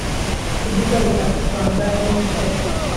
ibyiza bitatse u Rwanda nimisozi